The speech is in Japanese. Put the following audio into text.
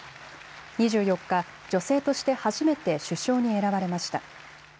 ２４日、女性として初めて首相に選ばれました。